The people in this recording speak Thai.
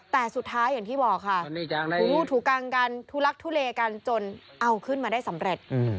แต่สุดท้ายอย่างที่บอกค่ะถูกังกันทุลักทุเลกันจนเอาขึ้นมาได้สำเร็จ